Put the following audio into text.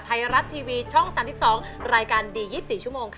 ไทยรัฐทีวีช่อง๓๒รายการดี๒๔ชั่วโมงค่ะ